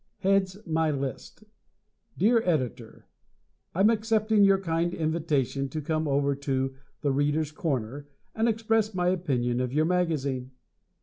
"Heads My List" Dear Editor: I'm accepting your kind invitation to come over to "The Readers' Corner" and express my opinion of your magazine.